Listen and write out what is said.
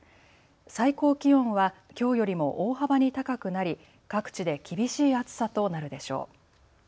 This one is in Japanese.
最高気温はきょうよりも大幅に高くなり各地で厳しい暑さとなるでしょう。